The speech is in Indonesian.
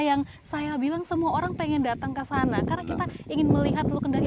yang saya bilang semua orang pengen datang ke sana karena kita ingin melihat lu kendali